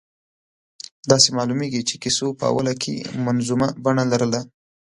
داسې معلومېږي چې کیسو په اوله کې منظومه بڼه لرله.